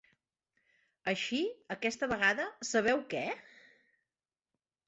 Així, aquesta vegada, sabeu què?